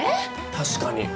確かに。